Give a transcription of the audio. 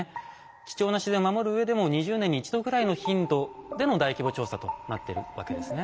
貴重な自然を守るうえでも２０年に１度ぐらいの頻度での大規模調査となっているわけですね。